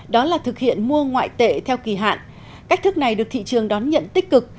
đó là thực hiện mua ngoại tệ theo kỳ hạn cách thức này được thị trường đón nhận tích cực